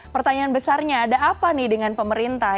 pertanyaan besarnya ada apa nih dengan pemerintah